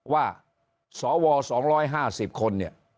ว่าสว๒๕๐คน